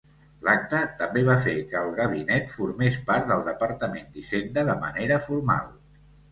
L'acte també va fer que el gabinet formés part del Departament d'Hisenda de manera formal.